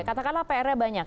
katakanlah pr nya banyak